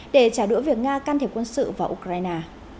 để trả đũa việc nga can thiệp quân sự vào ukraine